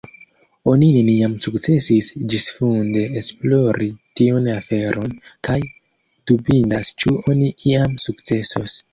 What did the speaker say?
Oni neniam sukcesis ĝisfunde esplori tiun aferon, kaj dubindas ĉu oni iam sukcesos.